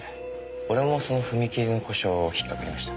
俺もその踏切の故障引っかかりました。